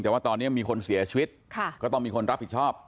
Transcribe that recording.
แต่ว่าตอนนี้มีคนเสียชีวิตก็ต้องมีคนรับผิดชอบ